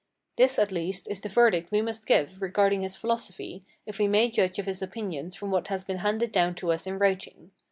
This, at least, is the verdict we must give regarding his philosophy, if we may judge of his opinions from what has been handed down to us in writing.